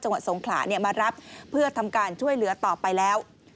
จังหวัดสงขลามารับเพื่อทำการช่วยเหลือต่อไปแล้ว